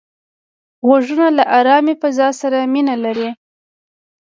غوږونه له آرامې فضا سره مینه لري